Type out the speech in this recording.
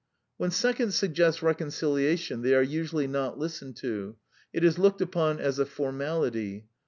"When seconds suggest reconciliation they are usually not listened to; it is looked upon as a formality.